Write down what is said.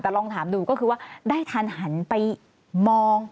แต่ลองถามดูก็คือว่าได้ทันหันไปมอง